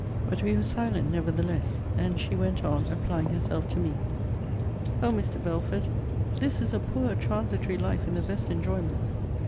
But we were silent nevertheless; and she went on applying herself to me. O Mr. Belford! This is a poor transitory life in the best enjoyments.